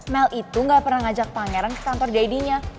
mel itu gak pernah ngajak pangeran ke kantor dadinya